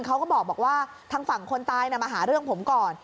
เขาก็บอกว่าทางฝั่งคนตายมาหาเรื่องผมก่อน